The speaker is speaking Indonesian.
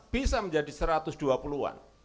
bisa menjadi satu ratus dua puluh an